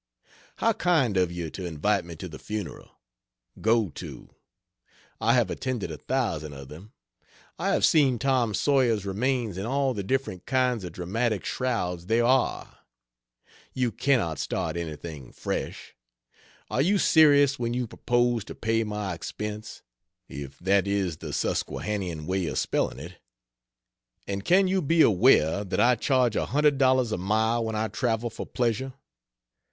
How kind of you to invite me to the funeral. Go to; I have attended a thousand of them. I have seen Tom Sawyer's remains in all the different kinds of dramatic shrouds there are. You cannot start anything fresh. Are you serious when you propose to pay my expence if that is the Susquehannian way of spelling it? And can you be aware that I charge a hundred dollars a mile when I travel for pleasure?